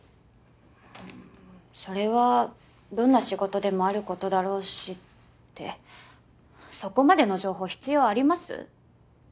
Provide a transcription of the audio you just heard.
うーんそれはどんな仕事でもある事だろうしってそこまでの情報必要あります？